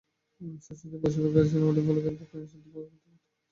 শচীশের বসিবার ঘরে চীনামাটির ফলকের উপর লীলানন্দস্বামীর ধ্যানমূর্তির একটি ফোটোগ্রাফ ছিল।